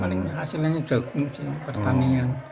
palingnya hasilnya jagung sih pertanian